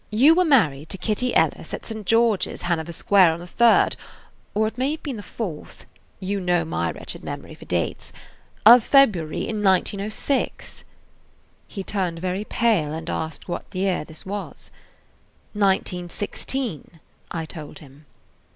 You were married to Kitty Ellis at St. George's, Hanover Square, on the third, or it may have been the fourth"–you know my wretched memory for dates–"of February, in 1906." He turned very pale and asked what year this was. "1916," I told him.